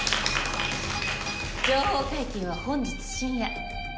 情報解禁は本日深夜。